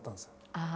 ああ。